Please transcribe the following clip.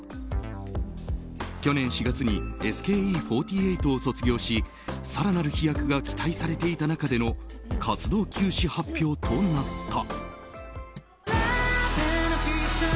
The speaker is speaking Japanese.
去年４月にＳＫＥ４８を卒業し更なる飛躍が期待されていた中での活動休止発表となった。